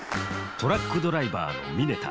トラックドライバーの峯田。